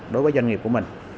đối với doanh nghiệp của mình